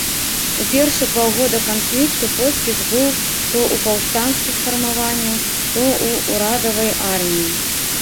У першы паўгода канфлікту поспех быў то ў паўстанцкіх фармаванняў, то ў урадавай арміі.